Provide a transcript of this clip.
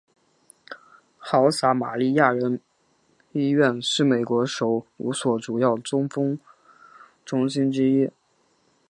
好撒玛利亚人医院是美国首五所主要中风中心之一。